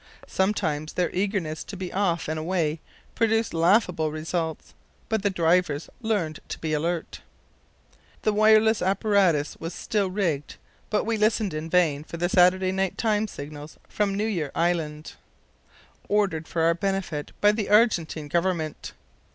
Sometimes their eagerness to be off and away produced laughable results, but the drivers learned to be alert. The wireless apparatus was still rigged, but we listened in vain for the Saturday night time signals from New Year Island, ordered for our benefit by the Argentine Government.